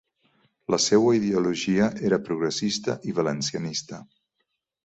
La seua ideologia era progressista i valencianista.